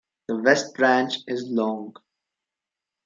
The West Branch is long.